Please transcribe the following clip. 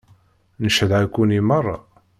Ncedha-ken i meṛṛa.